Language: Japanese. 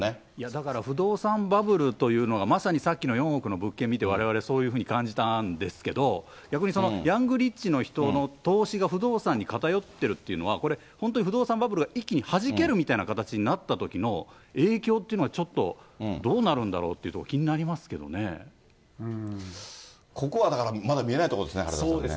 だから、不動産バブルというのが、まさにさっきの４億円の物件見て、われわれそういうふうに感じたんですけど、逆にヤングリッチの人の投資が不動産に偏ってるというのは、これ、本当に不動産バブルが一気にはじけるみたいな形になったときの、影響っていうのはちょっと、どうなるんだろうっていうところ、気ここはだから、まだ見えないところですね、原田さんね。